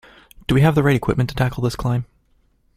Do we have the right equipment to tackle this climb?